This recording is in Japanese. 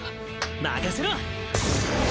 任せろ！